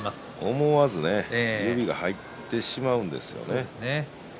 思わず指が入ってしまうんですね。